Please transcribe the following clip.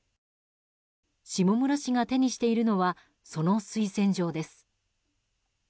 下村氏が手にしているのはその推薦状です。